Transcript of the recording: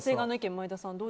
前田さん。